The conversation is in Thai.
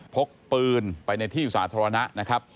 พกปืนไปในที่สาธารณะนะครับ